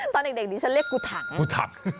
ตอนเด็กนี้ฉันเรียกกุถัง